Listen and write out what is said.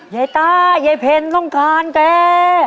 ยายต้ายายเพ็ญต้องการแก